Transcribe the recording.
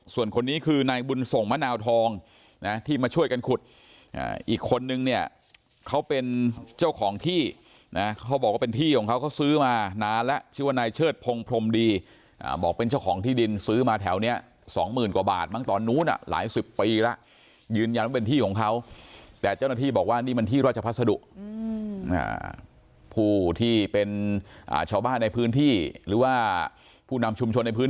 ส่วนคนนี้คือนายบุญส่งมะนาวทองนะที่มาช่วยกันขุดอ่าอีกคนนึงเนี้ยเขาเป็นเจ้าของที่นะเขาบอกว่าเป็นที่ของเขาเขาซื้อมานานแล้วชื่อว่านายเชิดพรมพรมดีอ่าบอกเป็นเจ้าของที่ดินซื้อมาแถวเนี้ยสองหมื่นกว่าบาทมั้งตอนนู้นอ่ะหลายสิบปีละยืนยันว่าเป็นที่ของเขาแต่เจ้าหน้าที่บอกว่านี่มันที่ราช